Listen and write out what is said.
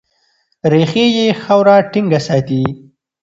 ریښې یې خاوره ټینګه ساتي.